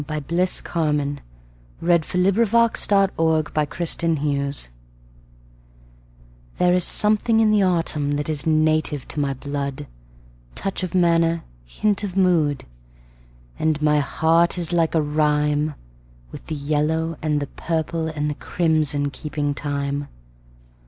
1917. Bliss Carman A Vagabond Song THERE is something in the autumn that is native to my blood—Touch of manner, hint of mood; And my heart is like a rhyme, With the yellow and the purple and the crimson keeping time.